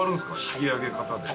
引き上げ方で。